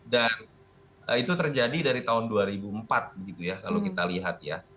dan itu terjadi dari tahun dua ribu empat gitu ya kalau kita lihat ya